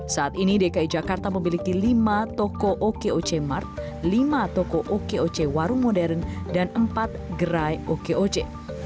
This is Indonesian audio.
saat ini dki jakarta memiliki lima toko oke oce mart lima toko oke oce warung modern dan empat gerai oke oce